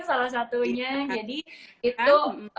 salah satunya jadi itu